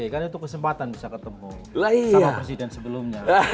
karena itu kesempatan bisa ketemu sama presiden sebelumnya